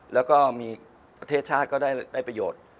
แล้วก็มีประเทศชาติก็ได้ประโยชน์